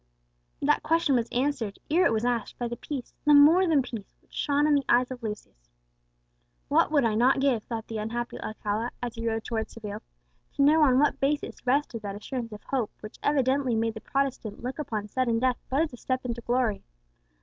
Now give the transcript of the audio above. That question was answered, ere it was asked, by the peace the more than peace which shone in the eyes of Lucius. "What would not I give," thought the unhappy Alcala, as he rode towards Seville, "to know on what basis rested that assurance of hope which evidently made the Protestant look upon sudden death but as a step into glory!